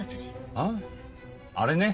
あっ、あれね。